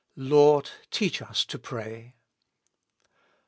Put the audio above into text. "Lord, teach us to pray."